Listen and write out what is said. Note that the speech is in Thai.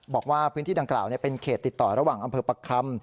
บอกว่าพื้นที่ดังกล่าวเป็นเขตติดต่อระหว่างอำเภอปักคำ